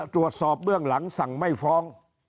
ตรวจสอบเรื่องหลังสั่งไม่ฟ้อง